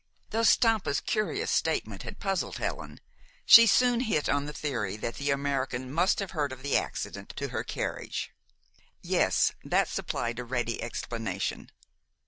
Though Stampa's curious statement had puzzled Helen, she soon hit on the theory that the American must have heard of the accident to her carriage. Yes, that supplied a ready explanation.